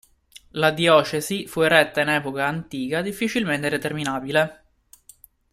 La diocesi fu eretta in epoca antica difficilmente determinabile.